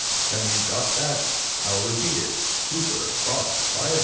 Have you got that? I'll repeat it. 'Super,' Box 500,000